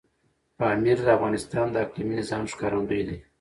پامیر د افغانستان د اقلیمي نظام ښکارندوی ده.